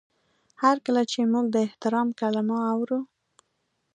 هر کله چې موږ د احترام کلمه اورو